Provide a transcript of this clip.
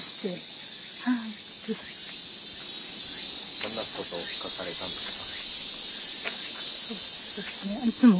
どんなことを書かれたんですか？